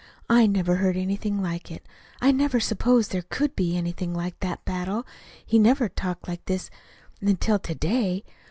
I never heard anything like it. I never supposed there could be anything like that battle. He never talked like this, until to day.